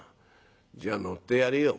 じゃあ乗ってやるよ」。